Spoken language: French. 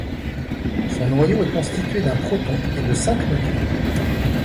Son noyau est constitué d'un proton et de cinq neutrons.